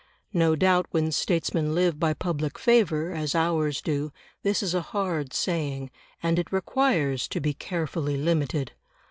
No doubt when statesmen live by public favour, as ours do, this is a hard saying, and it requires to be carefully limited.